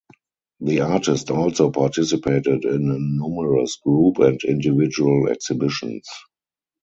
The artist also participated in numerous group and individual exhibitions.